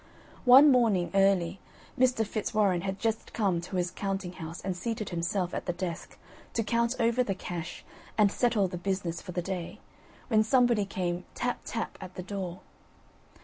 One morning, early, Mr. Fitzwarren had just come to his counting house and seated himself at the desk, to count over the cash, and settle the business for the day, when somebody came tap, tap, at the door.